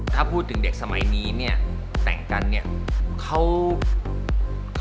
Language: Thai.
ถ้าพูดถึงเด็กสมัยนี้เนี่ยแต่งกันเนี่ยเขา